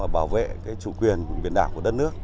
bảo vệ chủ quyền biển đảo của đất nước